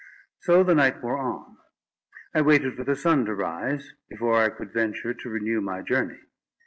So the night wore on. I waited for the sun to rise, before I could venture to renew my journey.